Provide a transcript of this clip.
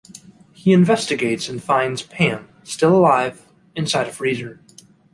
He investigates and finds Pam, still alive, inside a freezer.